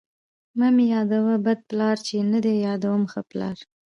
ـ مه مې يادوه بد پلار، چې نه دې يادوم ښه پلار.